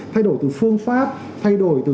thay đổi từ phương pháp thay đổi từ